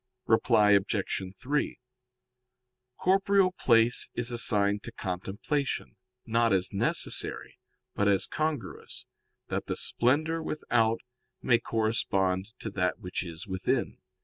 Reply Obj. 3: Corporeal place is assigned to contemplation, not as necessary, but as congruous, that the splendor without may correspond to that which is within.